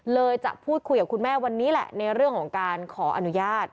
จะพูดคุยกับคุณแม่วันนี้แหละในเรื่องของการขออนุญาต